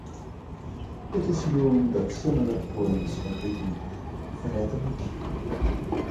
It is known that similar poems were written by Frederick.